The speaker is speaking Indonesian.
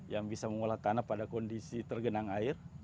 yang bisa mengolah tanah pada kondisi tergenang air